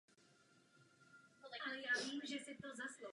Vystudoval střední policejní školu v Brně.